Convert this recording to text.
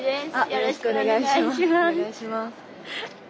よろしくお願いします。